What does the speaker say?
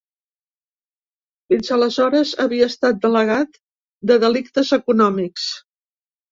Fins aleshores havia estat delegat de delictes econòmics.